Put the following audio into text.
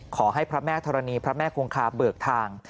ขอให้พระแม่ธรณีพระแม่คงคาเบิกทาง